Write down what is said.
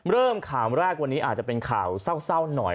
เริ่มข่าวแรกวันนี้อาจจะเป็นข่าวเศร้าหน่อย